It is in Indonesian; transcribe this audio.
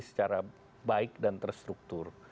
secara baik dan terstruktur